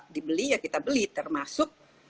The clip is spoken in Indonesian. dibeli ya kita beli termasuk